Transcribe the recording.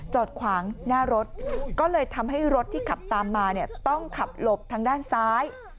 จอดขวางหน้ารถก็เลยทำให้รถที่ขับตามมาเนี่ยต้องขับหลบทางด้านซ้าย